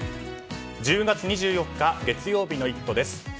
１０月２４日月曜日の「イット！」です。